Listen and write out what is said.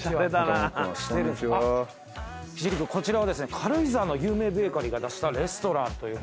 軽井沢の有名ベーカリーが出したレストランということで。